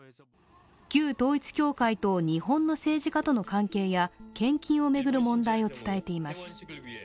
旧統一教会と日本の政治家との関係や献金を巡る問題を伝えています。